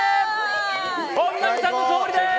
本並さんの勝利です！